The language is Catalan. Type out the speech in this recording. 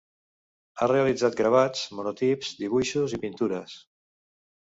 Ha realitzat gravats, monotips, dibuixos i pintures.